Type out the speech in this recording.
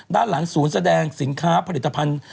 ด้านหลังศูนย์แสดงสินค้าผลิตภัณฑ์